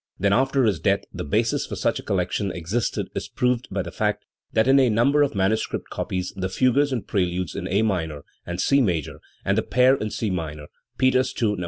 That after his death the basis for such a collection existed is proved by the fact that in a number of manuscript copies the fugues and preludes in A minor and C major and the pair in C minor (Peters II, }Sk).